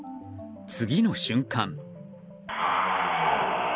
次の瞬間。